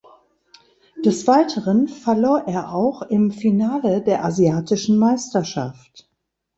Des Weiteren verlor er auch im Finale der asiatischen Meisterschaft.